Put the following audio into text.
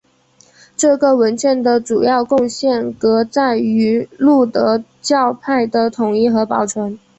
这个文件的主要贡献革在于路德教派的统一和保存。